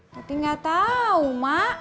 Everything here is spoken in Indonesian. tapi enggak tahu mak